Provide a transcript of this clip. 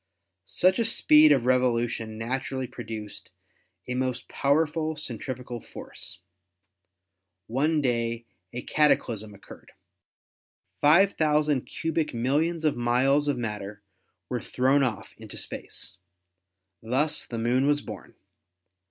Such a speed of revolu tion naturally produced a most powerful centrifugal force. One day a cataclysm occurred. Five thousand cubic mil lions of miles of matter were thrown off into space. Thus the Moon was born.